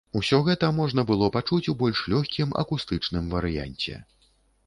Усё гэта можна было пачуць у больш лёгкім акустычным варыянце.